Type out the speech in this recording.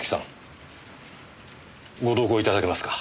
ご同行いただけますか。